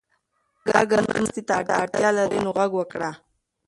اگر ته مرستې ته اړتیا لرې نو غږ وکړه.